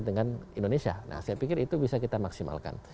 nah saya pikir itu bisa kita maksimalkan